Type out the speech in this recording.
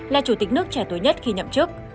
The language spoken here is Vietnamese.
là chủ tịch nước trẻ tuổi nhất khi nhậm chức